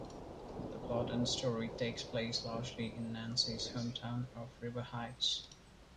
The plot and story take place largely in Nancy's hometown of River Heights.